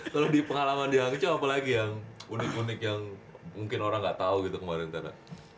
kalo di pengalaman di hangzhou apalagi yang unik unik yang mungkin orang gak tau gitu kemarin tera